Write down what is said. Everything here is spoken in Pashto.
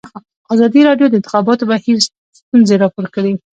ازادي راډیو د د انتخاباتو بهیر ستونزې راپور کړي.